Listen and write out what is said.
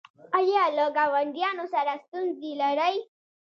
ایا له ګاونډیانو سره ستونزې لرئ؟